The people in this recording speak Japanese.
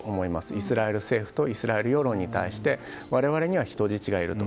イスラエル政府とイスラエル世論に対して我々には人質がいると。